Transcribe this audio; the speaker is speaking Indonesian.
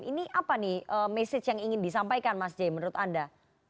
ini apa nih message yang ingin disampaikan mas j menurut anda